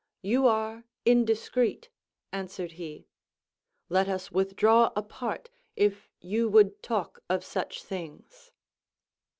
"You are indiscreet," answered he; "let us withdraw apart, if you would talk of such things."